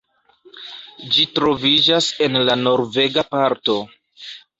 Ĝi troviĝas en la norvega parto.